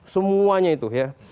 semuanya itu ya